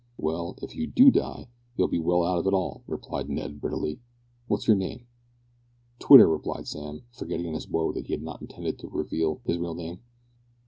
"Well, if you do die, you'll be well out of it all," replied Ned, bitterly. "What's your name?" "Twitter," replied Sam, forgetting in his woe that he had not intended to reveal his real name.